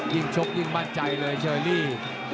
ชกยิ่งมั่นใจเลยเชอรี่